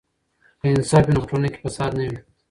که انصاف وي نو په ټولنه کې فساد نه وي.